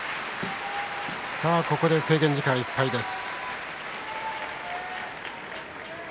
ここで制限時間いっぱいです。